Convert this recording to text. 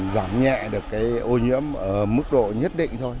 giảm nhẹ được cái ô nhiễm ở mức độ nhất định thôi